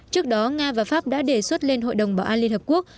trước đó nga và pháp đã đề xuất lên hội đồng bảo an liên hợp quốc